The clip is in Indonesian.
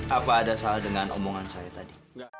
apa ada salah dengan omongan saya tadi